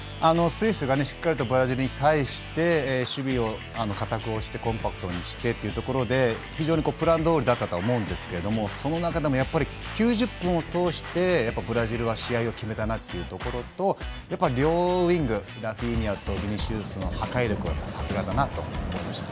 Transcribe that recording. スイスがしっかりブラジルに対して守備を堅くしてコンパクトにしてというところで非常にプランどおりだったと思うんですけどその中でもやっぱり、９０分を通してブラジルは試合を決めたなというところとやっぱり両ウイングラフィーニャとビニシウスの破壊力さすがだなと思いました。